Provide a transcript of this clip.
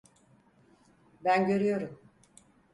Ben görüyorum.